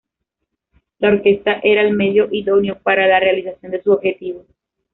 La orquesta era el medio idóneo para la realización de su objetivo.